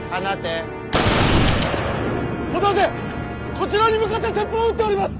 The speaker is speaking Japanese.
こちらに向かって鉄砲を撃っております！